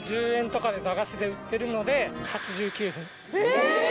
え！